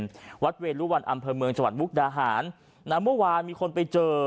ประเรียนวัดเวรุวันอำเภอเมืองสวรรค์มุกดาหารนะเมื่อวานมีคนไปเจอ